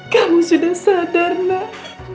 kamu sudah sadar nak